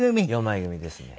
４枚組みですね。